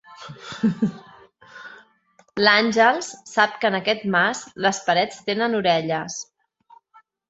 L'Àngels sap que en aquest mas les parets tenen orelles.